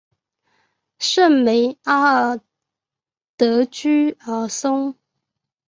圣梅阿尔德居尔松。